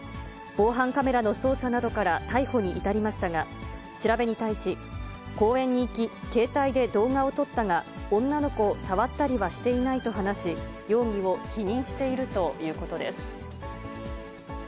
防犯カメラの捜査などから逮捕に至りましたが、調べに対し、公園に行き、携帯で動画を撮ったが、女の子を触ったりはしていないと話し、容疑を否認しているということです。